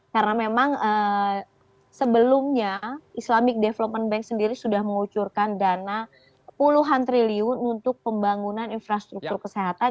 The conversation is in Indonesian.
karena memang sebelumnya islamic development bank sendiri sudah mengucurkan dana puluhan triliun untuk pembangunan infrastruktur kesehatan